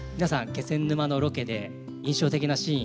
気仙沼のロケで印象的なシーンいかがですか？